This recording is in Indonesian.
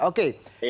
ini dari pak mirsa